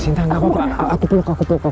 sinta gak apa apa aku peluk aku peluk